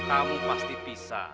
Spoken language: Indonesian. kau pasti bisa